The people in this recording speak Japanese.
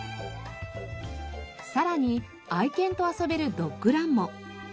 さらに愛犬と遊べるドッグランも。